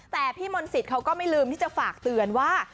แต่พี่มนต์สิทธิ์เขาก็ไม่ลืมที่จะฝากเตือนว่า